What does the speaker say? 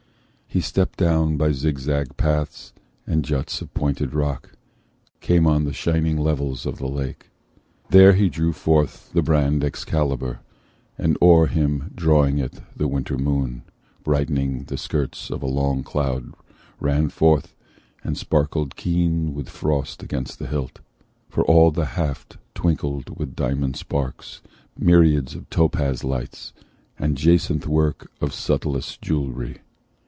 He, stepping down By zigzag paths, and juts of pointed rock, Came on the shining levels of the lake. There drew he forth the brand Excalibur, And o'er him, drawing it, the winter moon, Brightening the skirts of a long cloud, ran forth And sparkled keen with frost against the hilt: For all the haft twinkled with diamond sparks, Myriads of topaz lights, and jacinth work Of subtlest jewellery.